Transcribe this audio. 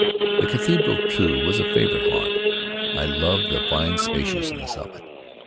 The cathedral too was a favorite haunt. I loved the fine spaciousness of it.